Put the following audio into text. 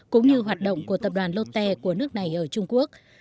cũng như hoạt động của tập đoàn lotte của nước này ở trung quốc